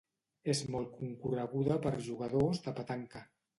És molt concorreguda per jugadors de petanca.